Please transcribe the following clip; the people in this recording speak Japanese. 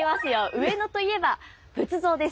上野といえば仏像です！